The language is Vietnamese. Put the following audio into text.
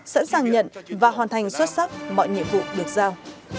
sẵn sàng nhận và hoàn thành xuất sắc mọi nhiệm vụ được giao